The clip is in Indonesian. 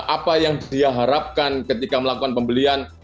apa yang dia harapkan ketika melakukan pembelian